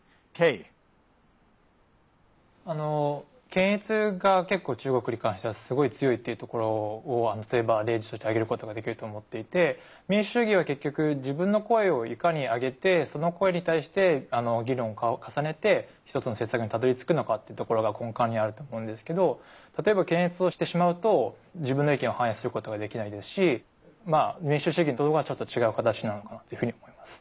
検閲が結構中国に関してはすごい強いっていうところを例えば例として挙げることができると思っていて民主主義は結局自分の声をいかに上げてその声に対して議論を重ねて一つの政策にたどりつくのかっていうところが根幹にあると思うんですけど例えば検閲をしてしまうと自分の意見を反映することができないですし民主主義とはちょっと違う形なのかなっていうふうに思います。